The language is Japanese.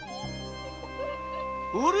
あれ！？